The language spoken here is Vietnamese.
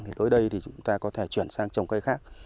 thì đối với đây thì chúng ta có thể chuyển sang trồng cây khác